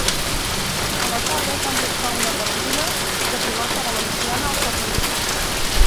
A la tarda també es fa una partida de pilota valenciana al carrer.